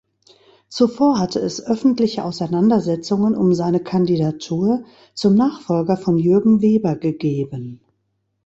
Zuvor hatte es öffentliche Auseinandersetzungen um seine Kandidatur zum Nachfolger von Jürgen Weber gegeben.